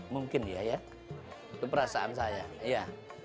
mungkin ya ya itu perasaan saya iya